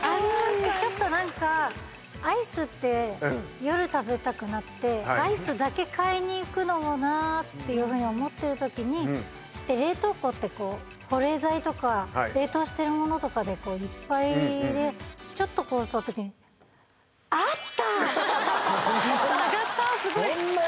ちょっと何かアイスって夜食べたくなってアイスだけ買いにいくのもなっていうふうに思ってる時に冷凍庫ってこう保冷剤とか冷凍してるものとかでいっぱいでちょっとこうした時にそんなに？